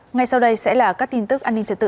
ngay sau đây sẽ là các tin tức an ninh trật tự